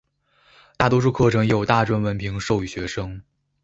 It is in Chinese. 大多数课程也有大专文凭授予学生。